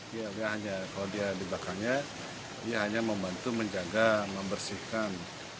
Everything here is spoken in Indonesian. dia hanya kalau dia di belakangnya dia hanya membantu menjaga membersihkan